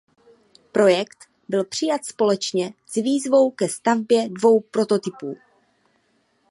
Projekt byl přijat společně s výzvou ke stavbě dvou prototypů.